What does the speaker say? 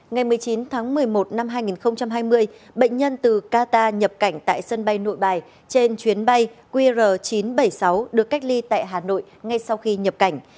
ngày một mươi chín tháng một mươi một năm hai nghìn hai mươi bệnh nhân từ qatar nhập cảnh tại sân bay nội bài trên chuyến bay qr chín trăm bảy mươi sáu được cách ly tại hà nội ngay sau khi nhập cảnh